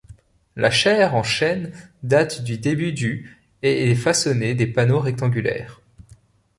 La chaire en chêne date du début du et est façonnée des panneaux rectangulaires.